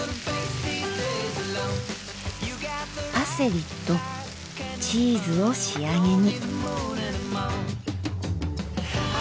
パセリとチーズを仕上げに。